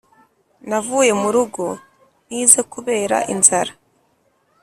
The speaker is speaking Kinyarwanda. Navuye murugo ntinze kubera inzara